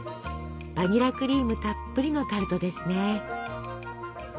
バニラクリームたっぷりのタルトですね。